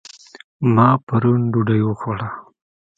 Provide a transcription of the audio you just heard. ما پرون ډوډۍ وخوړه